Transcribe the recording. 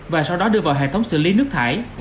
và sau đó đưa vào hệ thống xử lý nước thải